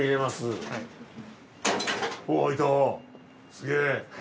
すげえ。